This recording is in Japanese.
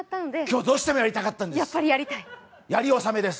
今日どうしてもやりたかったんです。